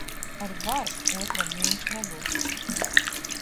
Ar varu otram mīļš nebūsi.